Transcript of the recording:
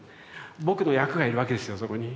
僕の役がいるわけですよそこに。